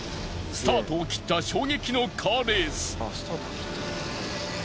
スタートを切った衝撃のカーレース。